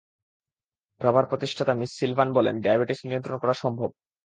প্রাভার প্রতিষ্ঠাতা Miss Sylvan বলেন, diabetes নিয়ন্ত্রণ করা সম্ভব।